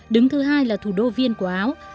đứng thứ hai là thủ đô viên của áo